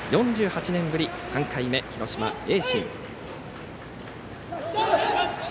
４８年ぶり３回目、広島・盈進。